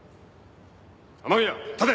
雨宮立て！